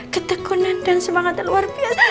ketekunan dan semangat luar biasa